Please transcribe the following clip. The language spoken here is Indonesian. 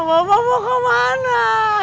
papa mau kemana